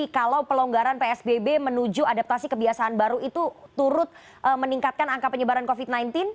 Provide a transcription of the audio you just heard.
kalau pelonggaran psbb menuju adaptasi kebiasaan baru itu turut meningkatkan angka penyebaran covid sembilan belas